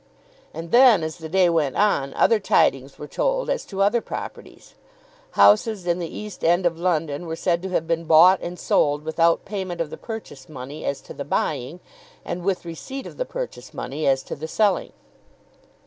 And then, as the day went on, other tidings were told as to other properties. Houses in the East end of London were said to have been bought and sold, without payment of the purchase money as to the buying, and with receipt of the purchase money as to the selling.